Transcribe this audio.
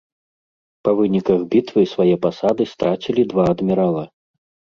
Па выніках бітвы свае пасады страцілі два адмірала.